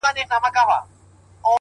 هغه شپه مي ټوله سندريزه وه”